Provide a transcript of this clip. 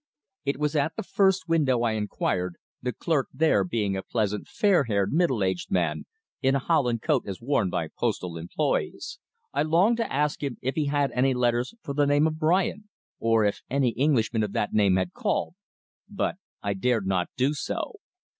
It was at the first window I inquired, the clerk there being a pleasant, fair haired, middle aged man in a holland coat as worn by postal employees. I longed to ask him if he had any letters for the name of Bryant, or if any Englishman of that name had called, but I dared not do so.